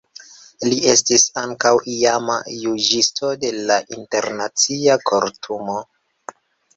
Li estis ankaŭ iama juĝisto de la Internacia Kortumo.